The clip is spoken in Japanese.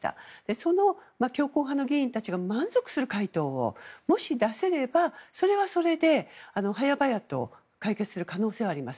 その強硬派の議員たちが満足する回答をもし、出せればそれはそれで早々と解決する可能性はあります。